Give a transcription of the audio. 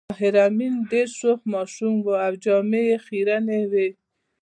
طاهر آمین ډېر شوخ ماشوم و او جامې یې خيرنې وې